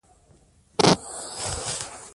نورې یې خپلې ستونزې په ختمېدو لیدې.